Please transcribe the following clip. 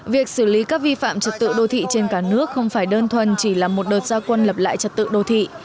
việc xử lý các vi phạm trật tự đô thị trên cả nước không phải đơn thuần chỉ là một đợt gia quân lập lại trật tự đô thị